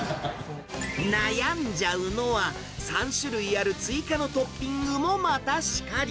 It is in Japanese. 悩んじゃうのは、３種類ある追加のトッピングもまたしかり。